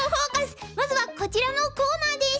まずはこちらのコーナーです。